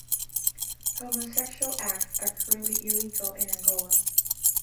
Homosexual acts are currently illegal in Angola.